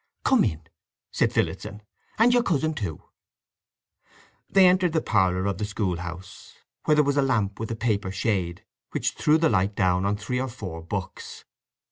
"Come in," said Phillotson. "And your cousin, too." They entered the parlour of the school house, where there was a lamp with a paper shade, which threw the light down on three or four books.